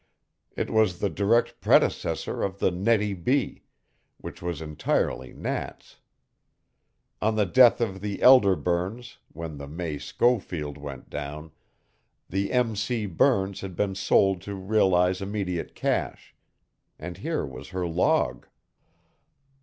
It was the direct predecessor of the Nettie B., which was entirely Nat's. On the death of the elder Burns when the May Schofield went down, the M. C. Burns had been sold to realize immediate cash. And here was her log!